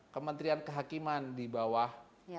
kementrian kehakiman di bawah